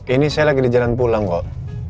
ini saya lagi di jalan pulang kok